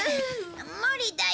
無理だよ。